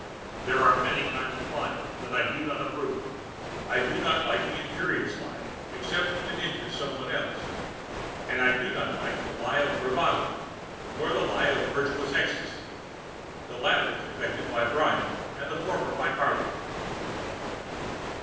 There are many kinds of lying which I do not approve. I do not like an injurious lie, except when it injures somebody else; and I do not like the lie of bravado, nor the lie of virtuous ecstasy; the latter was affected by Bryant, the former by Carlyle.